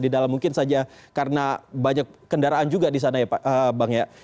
tidak bisa juga di sana ya bang ya